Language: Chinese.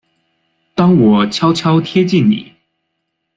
当我悄悄贴近你